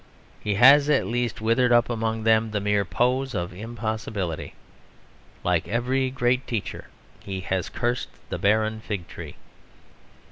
He has at least withered up among them the mere pose of impossibility. Like every great teacher, he has cursed the barren fig tree.